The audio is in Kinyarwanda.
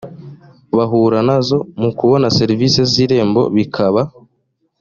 bahura nazo mu kubona serivisi z irembo bikaba